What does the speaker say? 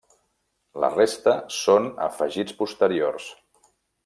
La resta són afegits posteriors.